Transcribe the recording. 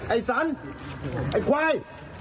ไอ้สันไอ้ควาย